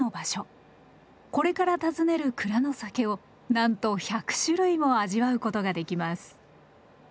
これから訪ねる蔵の酒をなんと１００種類も味わうことができます。